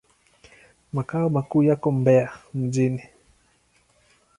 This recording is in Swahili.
Makao makuu yapo Mbeya mjini.